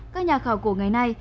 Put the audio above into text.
các nhà khảo cổ ngày nay